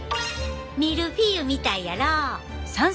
ミルフィーユみたいやろ。